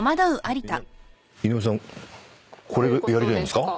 井上さんこれやりたいんですか？